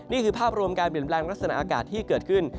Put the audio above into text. นี่คือภาพรวมการเปลี่ยนแปลงลักษณะอากาศที่เกิดขึ้น